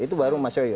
itu baru mas yoyo